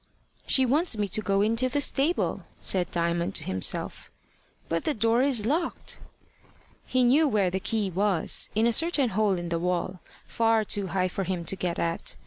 "She wants me to go into the stable," said Diamond to himself, "but the door is locked." He knew where the key was, in a certain hole in the wall far too high for him to get at.